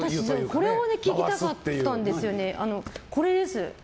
これ聞きたかったんですよ。